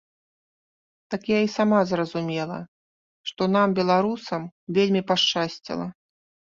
Так я і сама зразумела, што нам, беларусам, вельмі пашчасціла.